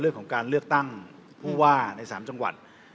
เรื่องของการเลือกตั้งผู้ว่าใน๓จังหวัด